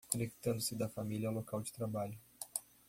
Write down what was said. Conectando-se da família ao local de trabalho